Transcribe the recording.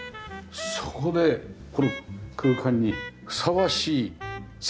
そこでこの空間にふさわしい作品が！